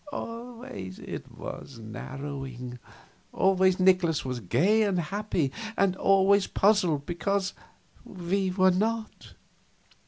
Always it was narrowing. Always Nikolaus was gay and happy, and always puzzled because we were not.